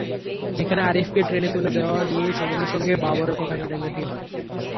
সেখানে আরিফকে ট্রেনে তুলে দেওয়া নিয়ে সুমনের সঙ্গে বাবরের কথা-কাটাকাটি হয়।